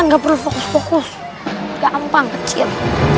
nggak perlu fokus fokus gampang kecil